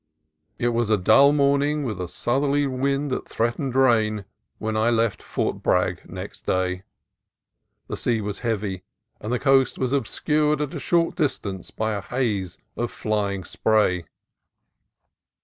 It was a dull morning, with a southerly wind that threatened rain, when I left Fort Bragg next day. The sea was heavy, and the coast was obscured at a short distance by a haze of flying spray.